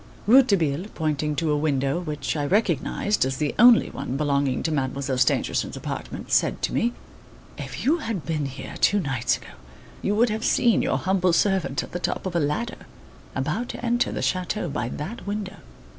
Rouletabille, pointing to a window which I recognised as the only one belonging to Mademoiselle Stangerson's apartment, said to me: "If you had been here, two nights ago, you would have seen your humble servant at the top of a ladder, about to enter the chateau by that window."